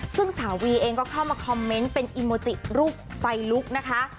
ซึ่งสาววีเองก็เข้ามาคอมเมนต์เป็นอีโมจิรูปไฟลุกนะคะ